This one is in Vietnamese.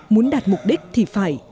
muốn đạt mục đích thì phải